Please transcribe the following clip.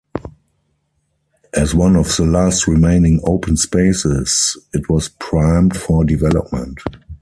As one of the last remaining open spaces it was primed for development.